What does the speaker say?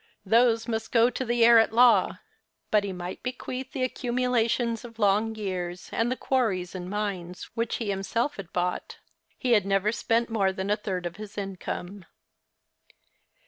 Those must go to the heir at law ; but he might bequeath the accumulations of long years, and the quarries and mines which he himself had bought. He had never spent more than a third of his income.